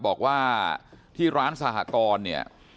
บอกว่าที่ร้านสหกรณ์